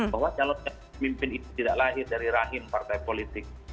bahwa calon pemimpin itu tidak lahir dari rahim partai politik